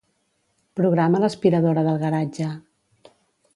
Programa l'aspiradora del garatge.